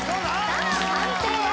さあ判定は？